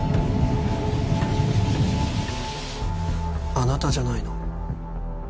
あなたじゃないの？